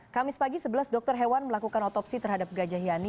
kamis pagi sebelas dokter hewan melakukan otopsi terhadap gajah yani